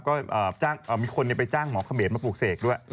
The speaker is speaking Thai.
ก็มีคนไปจ้างหมอเขมรมาปลูกเสกด้วย